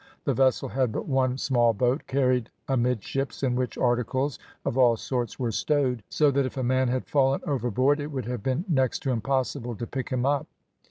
The vessel had but one small boat, carried amidships, in which articles of all sorts were stowed, so that if a man had fallen overboard it would have been next to impossible to pick him up.